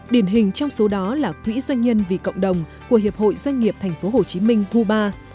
điển hình trong số đó là quỹ doanh nhân vì cộng đồng của hiệp hội doanh nghiệp tp hcm cuba